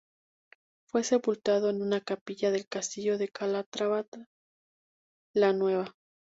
Fue sepultado en una capilla del castillo de Calatrava la Nueva.